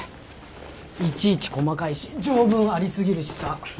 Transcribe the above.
いちいち細かいし条文あり過ぎるしさ。